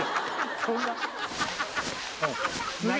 そんな？